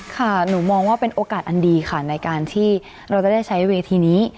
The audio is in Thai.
หนูมองว่าเป็นโอกาสอันดีค่ะในการที่เราจะได้ใช้เวทีนี้